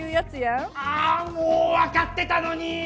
ああもうわかってたのに！